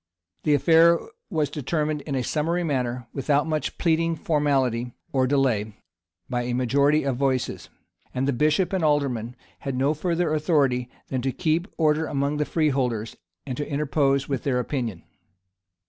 [] The affair was determined in a summary manner, without much pleading formality, or delay, by a majority of voices; and the bishop and alderman had no further authority than to keep order among the freeholders, and interpose with their opinion.